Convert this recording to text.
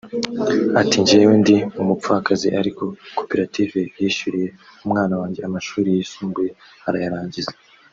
Ati “ Njyewe ndi umupfakazi ariko koperative yishyuriye umwana wanjye amashuri yisumbuye arayarangiza